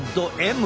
Ｍ。